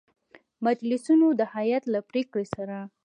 مجلسینو د هیئت له پرېکړې سـره